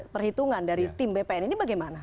perhitungan dari tim bpn ini bagaimana